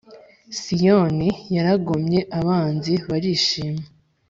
Siyoni yaragomye abanzi barishima